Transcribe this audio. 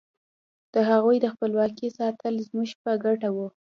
د هغوی د خپلواکۍ ساتل زموږ په ګټه وو.